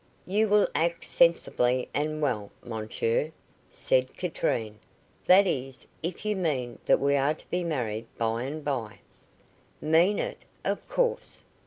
"You will act sensibly and well, mon cher," said Katrine, "that is, if you mean that we are to be married by and by." "Mean it? Of course."